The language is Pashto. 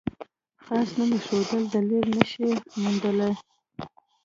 خاص نوم ایښودل دلیل نه شي موندلای.